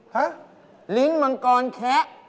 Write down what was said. ฮะลิ้นมังกรแคะ